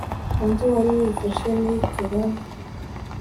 undi wari wifashe ni kagame